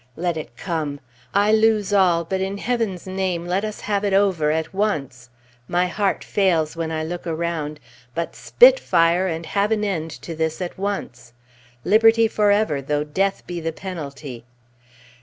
Let it come! I lose all, but in Heaven's name let us have it over at once! My heart fails when I look around, but "Spit fire!" and have an end to this at once! Liberty forever, though death be the penalty.